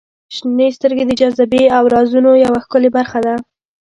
• شنې سترګې د جاذبې او رازونو یوه ښکلې برخه ده.